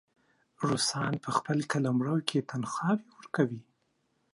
روسان په خپل قلمرو کې تنخواوې ورکوي.